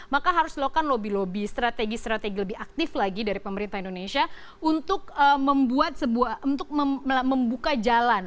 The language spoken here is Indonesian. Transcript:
maka harus melakukan lobby lobby strategi strategi lebih aktif lagi dari pemerintah indonesia untuk membuka jalan